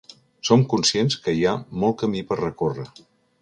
Som conscients que hi ha molt camí per recórrer.